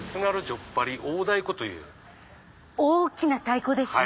大きな太鼓ですね。